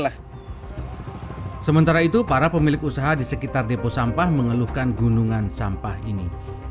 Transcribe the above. nah sementara itu para pemilik usaha di sekitar depo sampah mengeluhkan gunungan sampah ini